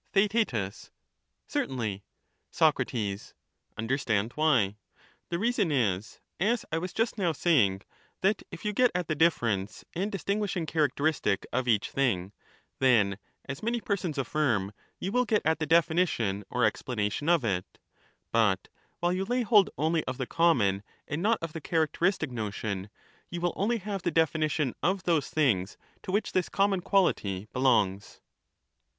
Theaet Certainly. Soc. Understand why :— the reason is, as I was just now saying, that if you get at the difference and distinguishing characteristic of each thing, then, as many persons affirm, you will get at the definition or explanation of it ; but while you lay hold only of the common and not of the characteristic notion, you will only have the definition of those things to which this common quality belongs.